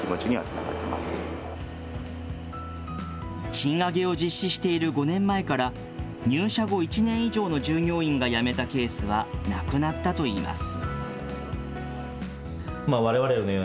賃上げを実施している５年前から、入社後１年以上の従業員が辞めたケースはなくなったといいます。